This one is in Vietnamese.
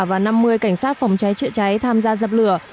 và năm mươi cảnh sát phòng cháy chữa cháy tham gia dập lửa